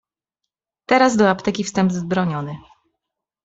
"Teraz do apteki wstęp wzbroniony."